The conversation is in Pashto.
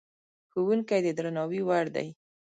ښوونکی د درناوي وړ دی.